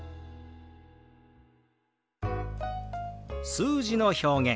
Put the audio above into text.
数字の表現